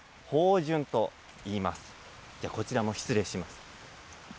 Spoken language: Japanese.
じゃあ、こちらも失礼します。